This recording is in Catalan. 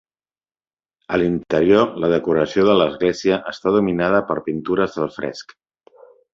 A l'interior, la decoració de l'església està dominada per pintures al fresc.